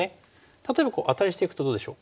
例えばアタリしていくとどうでしょう？